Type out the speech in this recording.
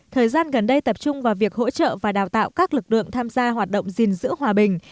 thời gian gần đây tập trung vào việc hỗ trợ và đào tạo các lực lượng tham gia hoạt động gìn giữ hòa bình